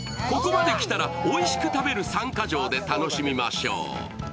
ここまで来たら、おいしく食べる三カ条で締めましょう。